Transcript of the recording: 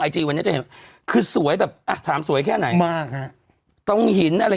จีวันนี้จะเห็นคือสวยแบบอ่ะถามสวยแค่ไหนมากฮะตรงหินอะไร